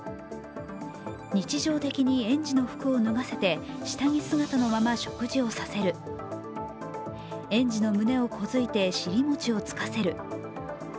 日常的に園児の服を脱がせて下着姿のまま食事をさせる園児の胸を小突いて尻もちをつかせる。